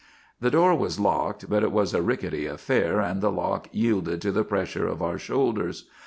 The door was locked, but it was a rickety affair and the lock yielded to the pressure of our shoulders.